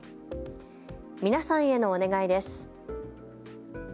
皆さんへのお願いです。